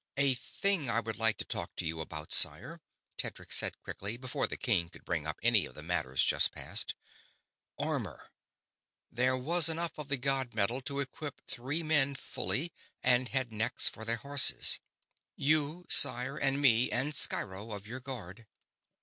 "A thing I would like to talk to you about, sire," Tedric said quickly, before the king could bring up any of the matters just past. "Armor. There was enough of the god metal to equip three men fully, and headnecks for their horses. You, sire, and me, and Sciro of your Guard.